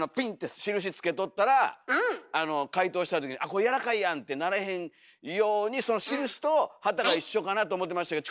印つけとったら解凍したときに「これやわらかいやん！」ってならへんようにその印と旗が一緒かなと思ってましたけど